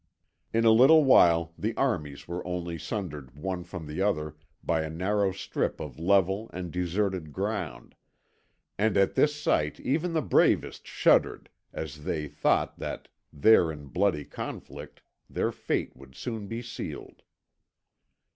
In a little while the armies were only sundered one from the other by a narrow strip of level and deserted ground, and at this sight even the bravest shuddered as they thought that there in bloody conflict their fate would soon be sealed.